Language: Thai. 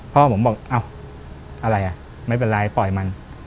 พ่อผมบอกอ้าวอะไรอ่ะไม่เป็นไรปล่อยมัน